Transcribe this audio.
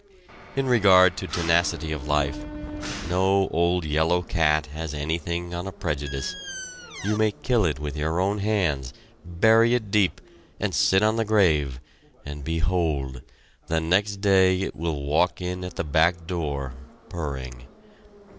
In regard to tenacity of life, no old yellow cat has anything on a prejudice. You may kill it with your own hands, bury it deep, and sit on the grave, and behold! the next day, it will walk in at the back door, purring.